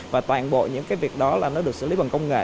và toàn bộ những cái việc đó là nó được xử lý bằng công nghệ